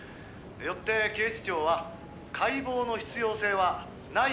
「よって警視庁は解剖の必要性はないと判断しました」